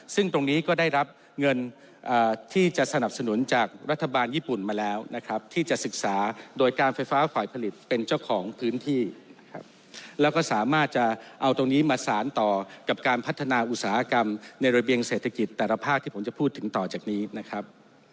ซึ่งตรงนี้ก็ได้รับเงินที่จะสนับสนุนจากรัฐบาลญี่ปุ่นมาแล้วนะครับที่จะศึกษาโดยการไฟฟ้าฝ่ายผลิตเป็นเจ้าของพื้นที่นะครับแล้วก็สามารถจะเอาตรงนี้มาสารต่อกับการพัฒนาอุตสาหกรรมในระเบียงเศรษฐกิจแต่ละภาคที่ผมจะพูดถึงต่อจากนี้นะครับ